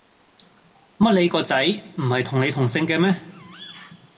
乜你個仔唔係同你同姓嘅咩